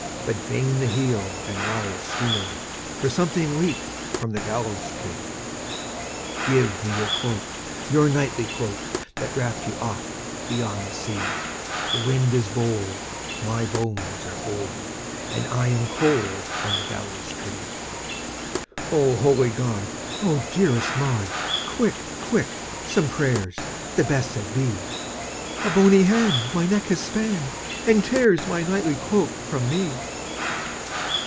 But vain the heel and rowel steel, For something leaped from the gallows tree! "Give me your cloak, your knightly cloak, That wrapped you oft beyond the sea; The wind is bold, my bones are old, And I am cold on the gallows tree." "O holy God! O dearest Maud, Quick, quick, some prayers, the best that be! A bony hand my neck has spanned, And tears my knightly cloak from me!"